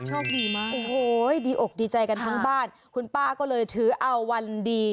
โชคดีมากโอ้โหดีอกดีใจกันทั้งบ้านคุณป้าก็เลยถือเอาวันดี